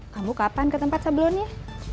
kamu kapan ke tempat sebelumnya